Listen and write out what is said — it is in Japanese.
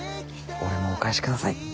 俺もお返し下さい。